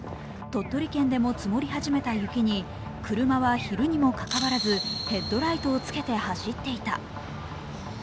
鳥取県でも積もり始めた雪に車は昼にもかかわらずヘッドライトをつけて走っていた。